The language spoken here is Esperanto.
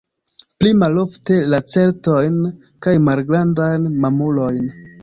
Pli malofte lacertojn kaj malgrandajn mamulojn.